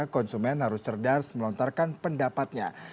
konsumen harus cerdas melontarkan pendapatnya